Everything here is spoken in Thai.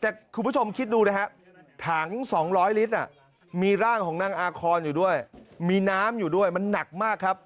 แต่คุณผู้ชมคิดดูนะฮะถัง๒๐๐ลิตรมีร่างของนางอาคอนอยู่ด้วยมีน้ำอยู่ด้วยมันหนักมากครับ